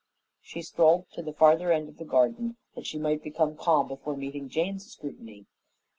She strolled to the farther end of the garden that she might become calm before meeting Jane's scrutiny.